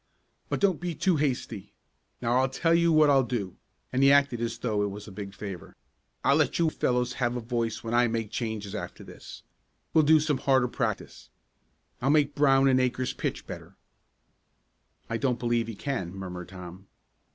But don't be too hasty. Now I'll tell you what I'll do," and he acted as though it was a big favor. "I'll let you fellows have a voice when I make changes after this. We'll do some harder practice. I'll make Brown and Akers pitch better " "I don't believe he can," murmured Tom.